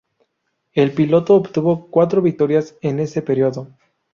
El piloto obtuvo cuatro victorias en ese periodo.